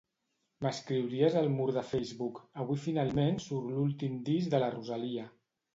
M'escriuries al mur de Facebook "avui finalment surt l'últim disc de la Rosalia"?